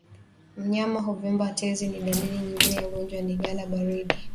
Mnyama kuvimba tezi ni dalili nyingine ya ugonjwa wa ndigana baridi